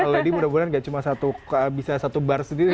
lagi mudah mudahan nggak cuma satu bar sendiri